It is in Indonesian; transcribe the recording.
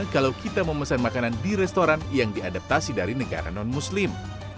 kalau kita memesan makanan di restoran yang diadaptasi dari negara non muslim